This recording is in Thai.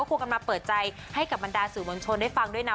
ควรกำลังเปิดใจให้กับบรรดาสื่อมวลชนได้ฟังด้วยนะ